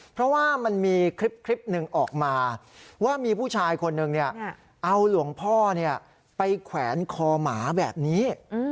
เพราะว่ามันมีคลิปหนึ่งออกมาว่ามีผู้ชายคนหนึ่งเอาหลวงพ่อไปแขวนคอหมาแบบนี้